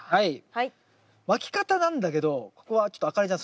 まき方なんだけどここはちょっとあかねちゃん